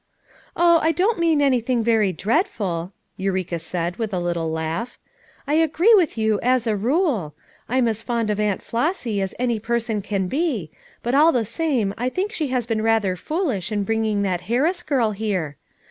"Oh, I don't mean anything very dreadful," Eureka said with a little laugh. "I agree with you 'as a rule'; I'm as fond of Aunt Flossy as any person can he, but all the same I think she has been rather foolish in bringing that Harris girl here.